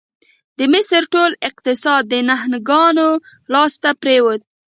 د مصر ټول اقتصاد د نهنګانو لاس ته پرېوت.